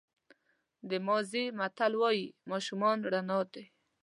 د مازی متل وایي ماشومان رڼا ده.